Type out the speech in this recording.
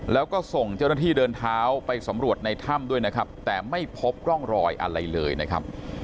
แล้วก็ส่งเจ้าหน้าที่เดินเท้าไปสำรวจในถ้ำด้วยนะครับแต่ไม่พบร่องรอยอะไรเลยนะครับ